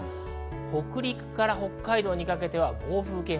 北陸から北海道にかけては暴風警報。